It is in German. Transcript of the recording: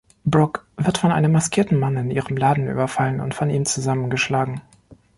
Brooke wird von einem maskierten Mann in ihrem Laden überfallen und von ihm zusammengeschlagen.